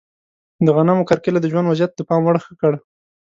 د غنمو کرکیله د ژوند وضعیت د پام وړ ښه کړ.